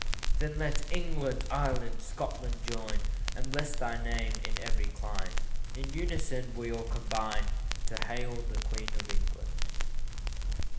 Then let England, Ireland, Scotland, join, And bless thy name in every clime In unison we all combine To hail the Queen of England.